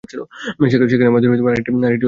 সেখানে আমাদের আরেকটি সেইফ হাউজ আছে।